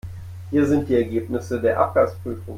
Hier sind die Ergebnisse der Abgasprüfung.